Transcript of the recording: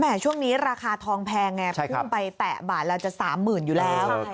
แหมช่วงนี้ราคาทองแพงเนี่ยพุ่งไปแตะบ่านแล้วจะ๓๐๐๐๐อยู่แล้ว